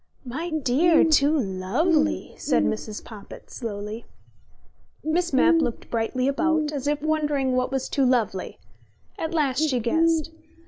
"My dear, too lovely!" said Mrs. Poppit slowly. Miss Mapp looked brightly about, as if wondering what was too lovely: at last she guessed.